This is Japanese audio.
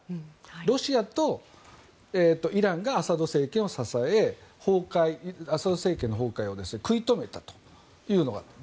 ロシアとイランがアサド政権を支えアサド政権の崩壊を食い止めたというのがある。